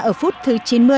ở phút thứ chín mươi